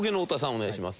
お願いします。